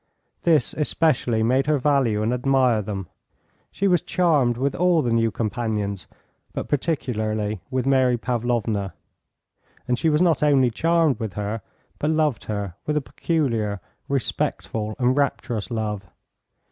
This especially made her value and admire them. She was charmed with all the new companions, but particularly with Mary Pavlovna, and she was not only charmed with her, but loved her with a peculiar, respectful and rapturous love.